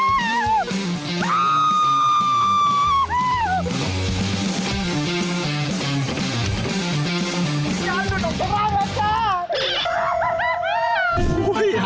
พี่เค้าขัดโดดลงไปบ้างแล้วค่ะ